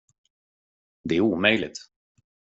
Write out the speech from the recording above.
Det är omöjligt.